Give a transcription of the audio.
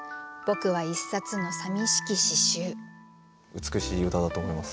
美しい歌だと思います。